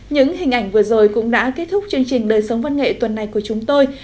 những hình ảnh vừa rồi cũng đã kết thúc chương trình đời sống văn nghệ tuần này của chúng tôi